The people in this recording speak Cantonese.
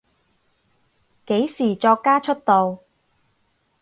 幾時作家出道？